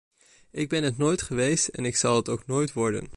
Ik ben het nooit geweest en ik zal het ook nooit worden.